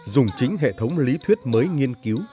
dùng chính hệ thống lý thuyết mới nghiên cứu